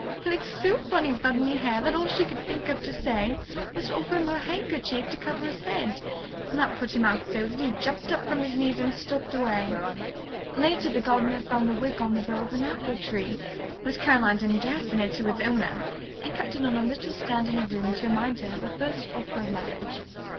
He looked so funny without any hair that all she could think of to say was to offer him her handkerchief to cover his head, and that put him out so that he jumped up from his knees and stalked away. Later the gardener found the wig on the bough of an apple tree, but Caroline didn't dare send it to its owner and kept it on a little stand in her room to remind her of her first offer of marriage.